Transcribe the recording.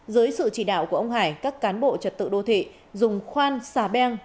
dưới sự chỉ đạo của ông hải các cán bộ trật tự đô thị dùng khoan xà beng